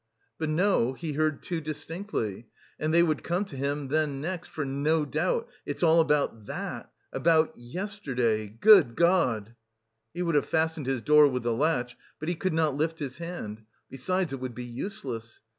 But no, he heard too distinctly! And they would come to him then next, "for no doubt... it's all about that... about yesterday.... Good God!" He would have fastened his door with the latch, but he could not lift his hand... besides, it would be useless.